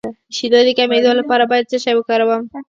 د شیدو د کمیدو لپاره باید څه شی وکاروم؟